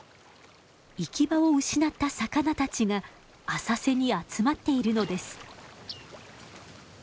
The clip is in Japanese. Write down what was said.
行き場を失った魚たちが浅瀬に集まっているのです。